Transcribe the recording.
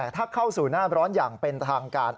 ถ้าเข้าสู่หน้าร้อนอย่างเป็นทางการ